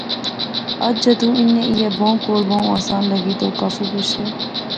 اج جدوں انیں ایہہ بہوں کول، بہوں آسان لغی تہ او کافی خوش سے